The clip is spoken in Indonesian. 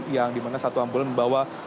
yang di mana satu ambulan membawa